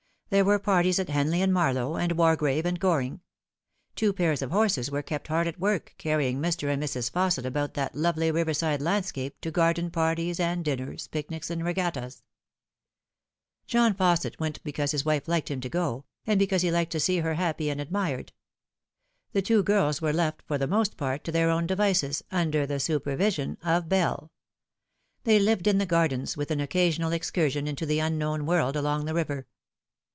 There were parties at Henley and Marlow, and Wargrave and Goring. Two pairs of horses were kept hard at work carrying Mr. and Mrs. Fausset about that lovely riverside landscape to garden parties and dinners, picnics and regattas, John Fausset went because his wife liked him to go, and because he liked to see her happy and admired. The two girls were left, for the most part, to their own devices, under the supervision of Bell. They lived }a the gardens, with an occasional excursion into the unknown irorld along the river.